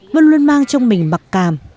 vân luôn mang trong mình mặc cảm